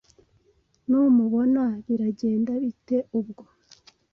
numubona biragenda bite ubwo